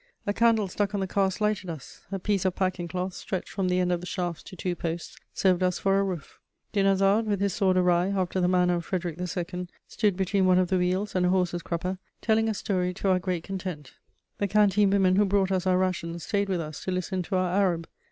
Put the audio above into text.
A candle stuck on the cask lighted us; a piece of packing cloth, stretched from the end of the shafts to two posts, served us for a roof. Dinarzade, with his sword awry after the manner of Frederic II., stood between one of the wheels and a horse's crupper, telling a story to our great content. The canteen women who brought us our rations stayed with us to listen to our Arab.